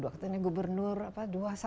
ketanyaan gubernur apa dua puluh satu